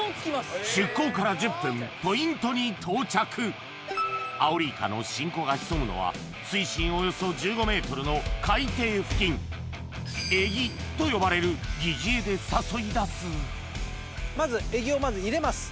出港から１０分ポイントに到着アオリイカの新子が潜むのは水深およそ１５ｍの海底付近餌木と呼ばれる疑似餌で誘い出す餌木をまず入れます。